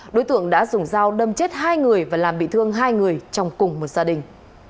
đối tượng đã dùng dao đâm chết hai người và làm bị thương hai người trong cùng một gia đình